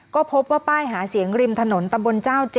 ก็พบว่าป้ายหาเสียงริมถนนตำบลเจ้า๗